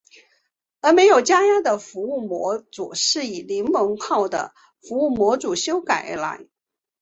而没有加压的服务模组是从联盟号的服务模组修改而来。